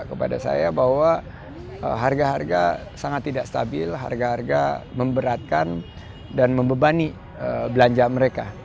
kepada saya bahwa harga harga sangat tidak stabil harga harga memberatkan dan membebani belanja mereka